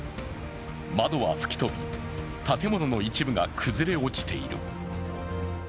窓は吹き飛び、建物の一部が崩れ落ちている。